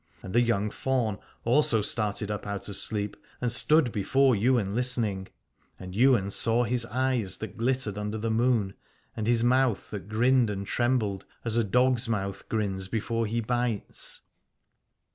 And the young faun also started up out of sleep and Aladore stood before Ywain listening : and Ywain saw his eyes that glittered under the moon, and his mouth that grinned and trembled, as a dog's mouth grins before he bites.